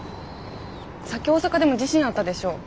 さっき大阪でも地震あったでしょ。